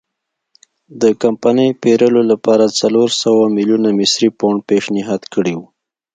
د کمپنۍ پېرلو لپاره څلور سوه میلیونه مصري پونډ پېشنهاد کړي وو.